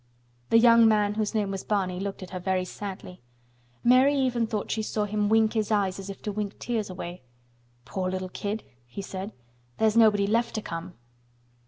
The young man whose name was Barney looked at her very sadly. Mary even thought she saw him wink his eyes as if to wink tears away. "Poor little kid!" he said. "There is nobody left to come."